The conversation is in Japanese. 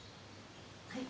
はい。